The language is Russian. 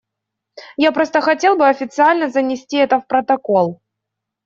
Я просто хотел бы официально занести это в протокол.